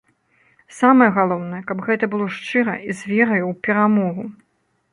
Самае галоўнае, каб гэта было шчыра і з вераю ў перамогу.